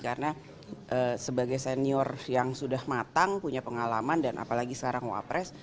karena sebagai senior yang sudah matang punya pengalaman dan apalagi sekarang wapres